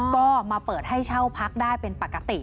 ก็มาเปิดให้เช่าพักได้เป็นปกติ